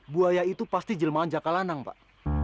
buaya itu pasti jelmahan jakal anak pak